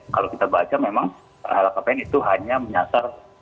kalau kita baca memang lhkpn itu hanya menyasar